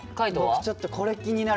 僕ちょっとこれ気になる。